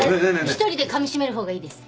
一人でかみしめる方がいいです。